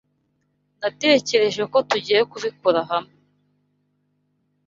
Natekereje ko tugiye kubikora hamwe.